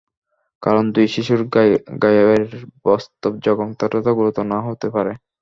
কারণ, দুই শিশুর গায়ের বাস্তব জখম ততটা গুরুতর নাও হতে পারে।